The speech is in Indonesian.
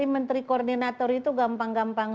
menteri koordinator itu gampang gampang